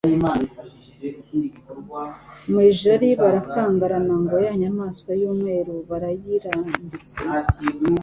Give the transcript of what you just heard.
Mu Ijari barakangarana ngo yanyamaswa y'urweru barayirambitse.